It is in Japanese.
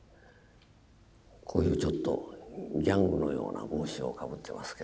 こういうちょっとギャングのような帽子をかぶってますけどね。